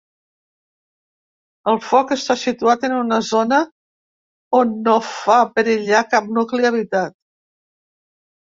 El foc està situat en una zona on no fa perillar cap nucli habitat.